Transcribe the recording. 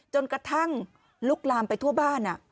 จนกระทั่งลุกลามไปทั่วบ้าน